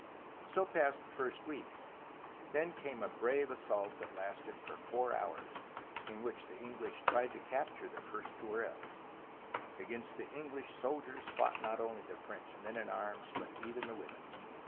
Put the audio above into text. So passed the first week. Then came a brave as sault that lasted for four hours, in which the Eng lish tried to capture the first Tourelles. Against the English soldiers fought not only the French men at arms, but even the women.